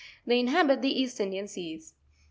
They inhabit the East Indian seas. ' 15.